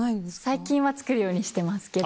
最近はつくるようにしてますけど。